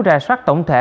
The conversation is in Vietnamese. rà soát tổng thể